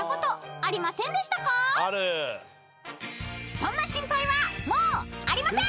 ［そんな心配はもうありません！］